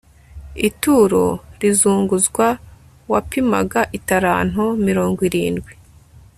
ituro rizunguzwa wapimaga italanto mirongo irindwi